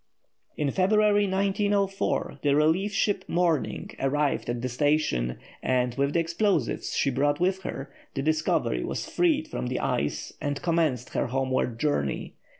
In February 1904 the relief ship Morning arrived at the station, and, with the explosives she brought with her, the Discovery was freed from the ice and commenced her homeward journey.